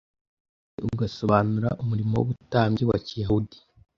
kandi ugasobanura umurimo w’ubutambyi wa Kiyahudi.